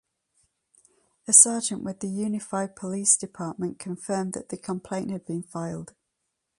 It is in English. A sergeant with the Unified Police Department confirmed that the complaint had been filled.